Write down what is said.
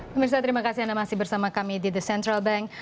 pemirsa terima kasih anda masih bersama kami di the central bank